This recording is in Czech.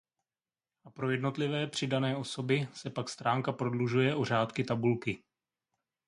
A pro jednotlivé přidané osoby se pak stránka prodlužuje o řádky tabulky.